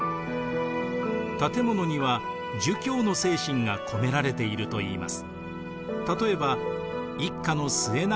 建物には儒教の精神が込められているといいます。